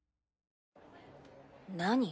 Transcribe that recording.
何？